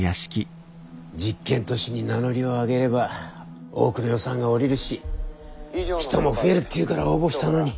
実験都市に名乗りを上げれば多くの予算がおりるし人も増えるっていうから応募したのに。